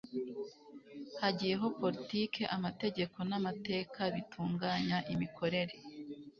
hagiyeho politiki, amategeko, n' amateka bitunganya imikorere